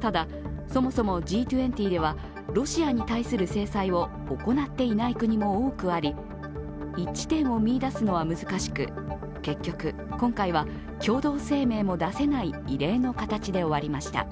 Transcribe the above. ただ、そもそもＧ２０ではロシアに対する制裁を行っていない国も多くあり一致点を見いだすのは難しく結局、今回は共同声明も出せない異例の形で終わりました。